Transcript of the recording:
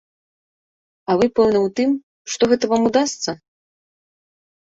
А вы пэўны ў тым, што гэта вам удасца?